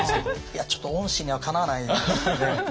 いやちょっと御師にはかなわないですね。